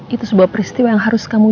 itu sebuah peristiwa yang harus kamu